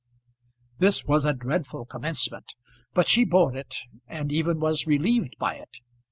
This was a dreadful commencement, but she bore it, and even was relieved by it.